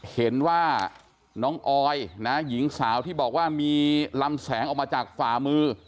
เห็นว่าน้องออยนะหญิงสาวที่บอกว่ามีลำแสงออกมาจากฝ่ามือ